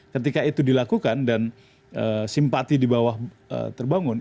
ketika itu dilakukan dan simpati di bawah terbangun